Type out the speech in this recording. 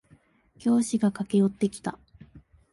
教師が駆け寄ってきた。